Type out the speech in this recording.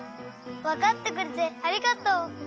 わかってくれてありがとう！